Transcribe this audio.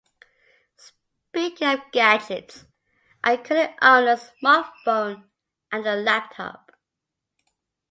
Speaking of gadgets, I currently own a smartphone and a laptop.